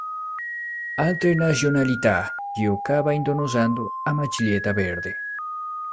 Altre Nazionalità giocava indossando una maglietta verde.